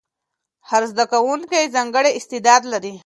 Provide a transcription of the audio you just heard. هر زده کوونکی ځانګړی استعداد لري.